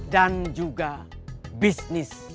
dan juga bisnis